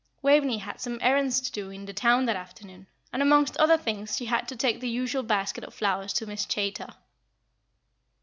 Waveney had some errands to do in the town that afternoon, and amongst other things she had to take the usual basket of flowers to Miss Chaytor.